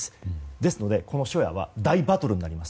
ですので、この初夜は大バトルになります。